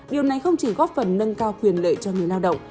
điều này không chỉ góp phần nâng cao quyền lợi cho người lao động